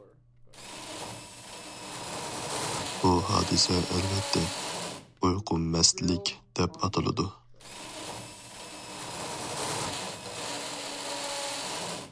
بۇ ھادىسە ئادەتتە‹‹ ئۇيقۇ مەستلىك›› دەپ ئاتىلىدۇ.